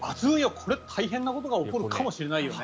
これは大変なことが起こるかもしれないよね。